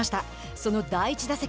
その第１打席。